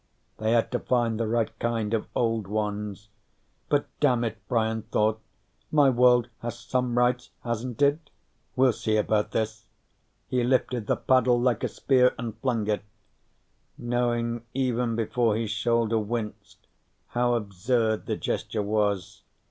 They had to find the right kind of Old Ones. But damn it, Brian thought, my world has some rights, hasn't it? We'll see about this. He lifted the paddle like a spear and flung it, knowing even before his shoulder winced how absurd the gesture was.